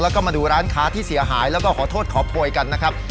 แล้วก็มาดูร้านค้าที่เสียหายแล้วก็ขอโทษขอโพยกันนะครับ